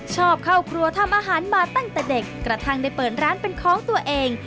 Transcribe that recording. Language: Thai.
ชอบเข้าครัวทำอาหารมาตั้งแต่เด็กกระทั่งได้เปิดร้านเป็นของตัวเอง